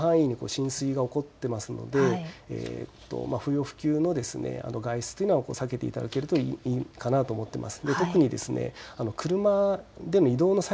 今回、広範囲に浸水が起こっていますので不要不急の外出というのは避けていただけるといいかなと思っています。